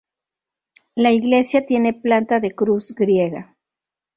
La iglesia tiene planta de cruz griega.